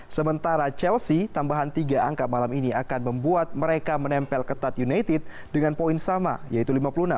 sementara chelsea tambahan tiga angka malam ini akan membuat mereka menempel ketat united dengan poin sama yaitu lima puluh enam